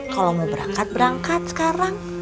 kalau mau berangkat berangkat sekarang